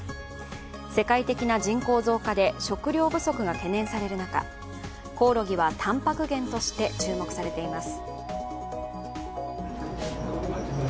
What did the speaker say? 世界的な人口増加で食糧不足が懸念される中、コオロギはたんぱく源として注目されています。